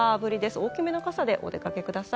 大きめの傘でお出かけください。